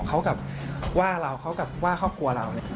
เขากับว่าเราเขากับว่าครอบครัวเรา